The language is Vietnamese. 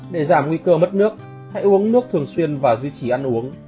để giảm nguy cơ mất nước hãy uống nước thường xuyên và duy trì ăn uống